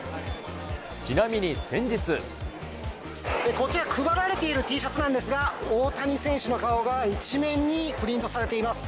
こちら、配られているＴシャツなんですが、大谷選手の顔が一面にプリントされています。